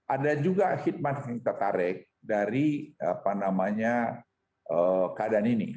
ada juga khidmat yang kita tarik dari keadaan ini